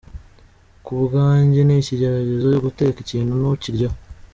K’ubwanjye ni ikigeragezo guteka ikintu ntukiryeho.